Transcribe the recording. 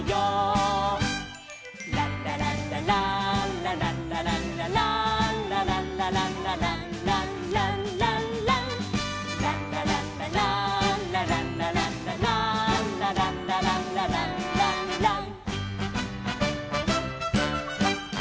「ランラランラランラランラランラランラ」「ランラランラランラランランラン」「ランラランラランラランラランラランラ」「ランラランラランランラン」